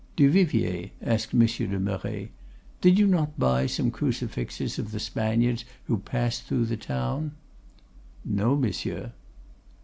"'Duvivier,' asked Monsieur de Merret, 'did not you buy some crucifixes of the Spaniards who passed through the town?' "'No, monsieur.